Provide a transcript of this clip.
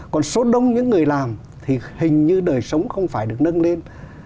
còn số đông những người làm thì hình như đời sống không phải được nâng lên